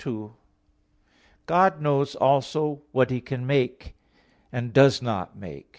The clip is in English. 2: God knows also what He can make, and does not make.